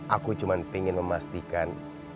aku cuma ingin memastikan